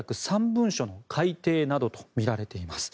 ３文書の改定などとみられています。